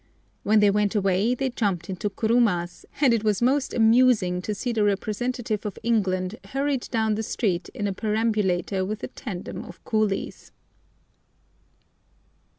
When they went away they jumped into kurumas, and it was most amusing to see the representative of England hurried down the street in a perambulator with a tandem of coolies.